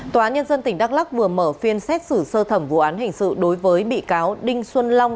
tòa án nhân dân tỉnh đắk lắc vừa mở phiên xét xử sơ thẩm vụ án hình sự đối với bị cáo đinh xuân long